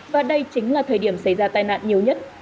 và đây chính là thời điểm xảy ra tai nạn nhiều nhất